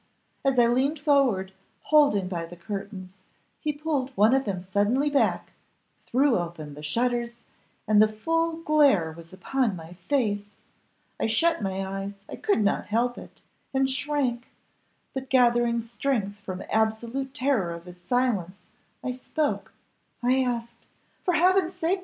As I leaned forward, holding by the curtains, he pulled one of them suddenly back, threw open the shutters, and the full glare was upon my face. I shut my eyes I could not help it and shrank; but, gathering strength from absolute terror of his silence, I spoke: I asked, 'For Heaven's sake!